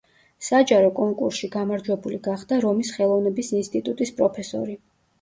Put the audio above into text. საჯარო კონკურსში გამარჯვებული გახდა რომის ხელოვნების ინსტიტუტის პროფესორი.